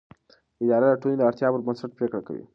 اداره د ټولنې د اړتیاوو پر بنسټ پریکړه کوي.